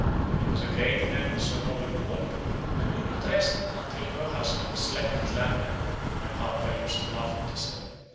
She was a great friend of Sir Robert Walpole, and would not rest until her husband slept at Lambeth, my papa used laughing to say.